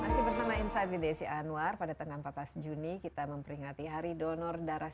masih bersama insight with desi anwar pada tanggal empat belas juni kita memperingati hari donor darah